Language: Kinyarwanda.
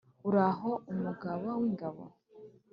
Uhoraho, umugaba w’ingabo,